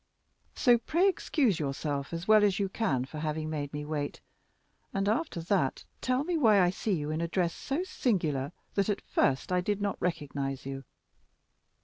So pray excuse yourself as well as you can for having made me wait, and, after that, tell me why I see you in a dress so singular that at first I did not recognize you."